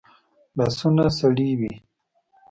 لاسونه سړې وي